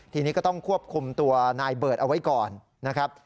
ทีนี้ก็ต้องควบคุมตัวนายเบิร์ตเอาไว้ก่อนนะครับ